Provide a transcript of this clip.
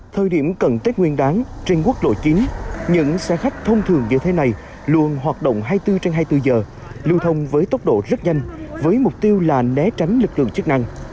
thời điểm cận tết nguyên đáng trên quốc lộ chín những xe khách thông thường như thế này luôn hoạt động hai mươi bốn trên hai mươi bốn giờ lưu thông với tốc độ rất nhanh với mục tiêu là né tránh lực lượng chức năng